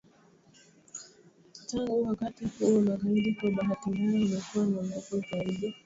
Tangu wakati huo magaidi kwa bahati mbaya wamekuwa na nguvu zaidi